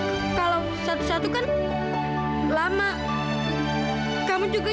aku capek mau pulang